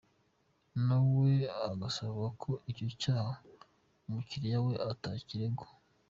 Nawe agasaba ko icyo cyaha umukiliya we atakiregwa.